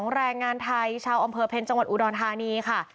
แรงงานไทยชาวอำเภอเพ็ญจังหวัดอุดรธานีค่ะ